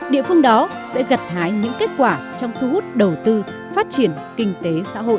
địa phương đó sẽ gặt hái những kết quả trong thu hút đầu tư phát triển kinh tế xã hội